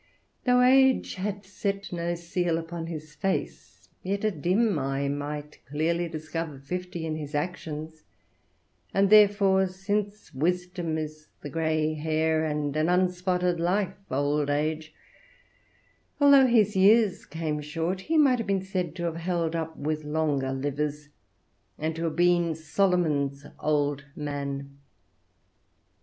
Though age had set no seal upon his face, yet a dim eye might clearly discover fifty in his actions; and therefore, since wisdom is the gray hair, and an unspotted life old age, although his years came short, he might have been said to have held up with longer livers, and to have been Solomon's old man.